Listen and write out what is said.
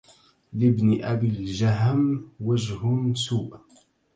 لابن أبي الجهم وجه سوء